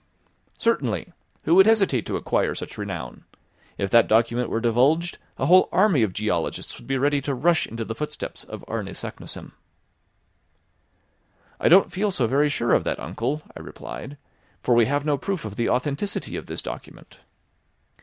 "Certainly; who would hesitate to acquire such renown? If that document were divulged, a whole army of geologists would be ready to rush into the footsteps of Arne Saknussemm." "I don't feel so very sure of that, uncle," I replied; "for we have no proof of the authenticity of this document."